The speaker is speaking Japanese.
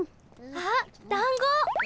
あっだんご。